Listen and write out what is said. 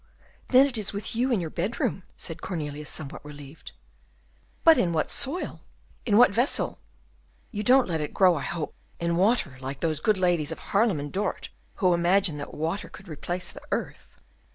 then it is with you in your bedroom?" said Cornelius, somewhat relieved. "But in what soil? in what vessel? You don't let it grow, I hope, in water like those good ladies of Haarlem and Dort, who imagine that water could replace the earth?"